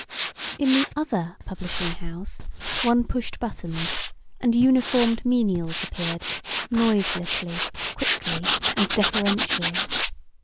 In the other publishing house, one pushed buttons and uniformed menials appeared noiselessly, quickly and deferentially.